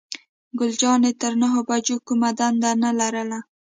ګل جانې تر نهو بجو کومه دنده نه لرله.